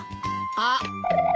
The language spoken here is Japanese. あっ！